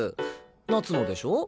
夏野でしょ。